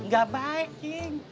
gak baik jing